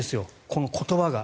この言葉が。